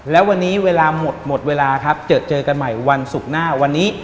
และวันนี้เวลาหมดหมดเวลาครับเจอเจอกันใหม่วันศุกร์หน้าวันนี้